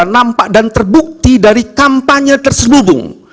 nampak dan terbukti dari kampanye terselubung